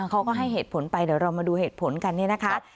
เขาก็ให้เหตุผลไปเดี๋ยวเรามาดูเหตุผลกันเนี่ยนะคะ